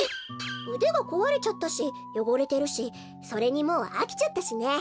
うでがこわれちゃったしよごれてるしそれにもうあきちゃったしね。